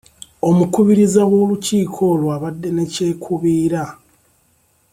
Omukubiriza w'olukiiko olwo abadde ne kyekubiira.